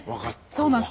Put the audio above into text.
そうなんです。